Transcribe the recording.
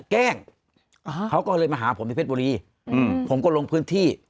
แกล้งอ่าเขาก็เลยมาหาผมที่เพชรบุรีอืมผมก็ลงพื้นที่